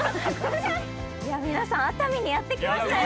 皆さん熱海にやって来ましたよ。